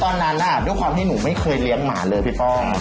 ด้วยความที่หนูไม่เคยเลี้ยงหมาเลยพี่ป้อง